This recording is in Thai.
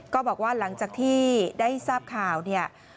ก็บอกว่าหลังจากที่ได้ทราบข่าวเนี่ย